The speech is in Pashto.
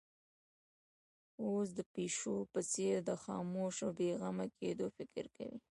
اوښ د پيشو په څېر د خاموش او بې غمه کېدو فکر کوي.